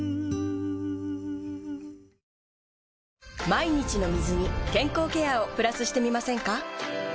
毎日の水に健康ケアをプラスしてみませんか？